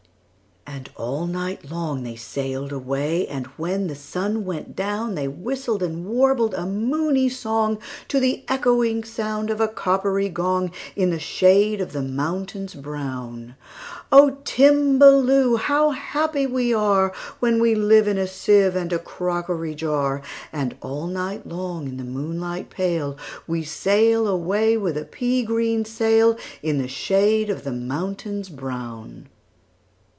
And all night long they sail'd away; And, when the sun went down, They whistled and warbled a moony songTo the echoing sound of a coppery gong, In the shade of the mountains brown,"O Timballoo! how happy we areWhen we live in a sieve and a crockery jar! And all night long, in the moonlight pale, We sail away with a pea green sailIn the shade of the mountains brown."